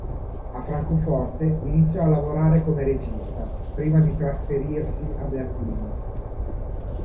A Francoforte, iniziò a lavorare come regista, prima di trasferirsi a Berlino.